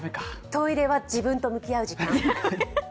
トイレは自分と向き合う時間。